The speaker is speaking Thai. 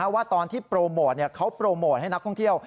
ว่าตอนที่โปรโมทเขาโปรโมทให้นักท่องเที่ยว